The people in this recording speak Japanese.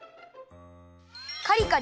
カリカリ！